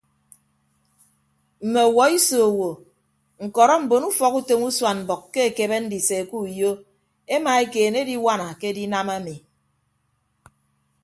Mme ọwuọ iso owo ñkọrọ mbon ufọkutom usuan mbʌk ke ekebe ndise ke uyo emaekeene ediwana ke edinam ami.